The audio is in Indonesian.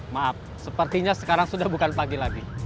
maaf sepertinya sekarang sudah bukan pagi lagi